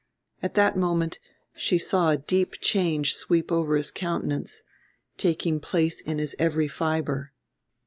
At that moment she saw a deep change sweep over his countenance, taking place in his every fiber.